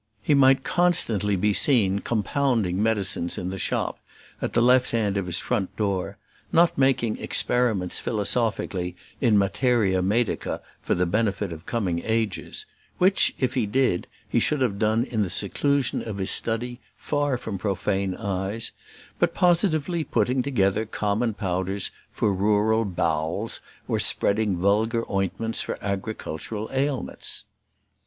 He might constantly be seen compounding medicines in the shop, at the left hand of his front door; not making experiments philosophically in materia medica for the benefit of coming ages which, if he did, he should have done in the seclusion of his study, far from profane eyes but positively putting together common powders for rural bowels, or spreading vulgar ointments for agricultural ailments.